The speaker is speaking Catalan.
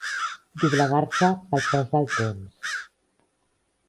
Doblegar-se pel pes del temps.